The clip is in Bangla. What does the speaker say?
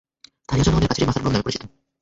স্থানীয় জনগণের কাছে এটি মাসারব্রুম নামে পরিচিত।